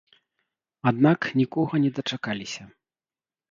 Аднак нікога не дачакаліся.